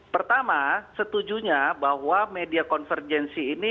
pertama setujunya bahwa media konvergensi ini